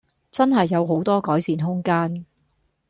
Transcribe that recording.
真係有好多改善空間